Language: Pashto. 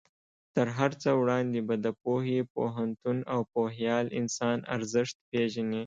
تر هر څه وړاندې به د پوهې، پوهنتون او پوهیال انسان ارزښت پېژنې.